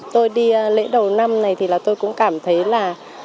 tôi đi lễ đầu năm này thì là tôi cũng cảm thấy là